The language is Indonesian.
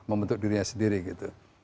membentuk dirinya sendiri gitu